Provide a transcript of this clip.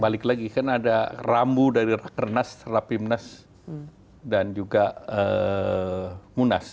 balik lagi kan ada rambu dari raker nas rapi munas dan juga munas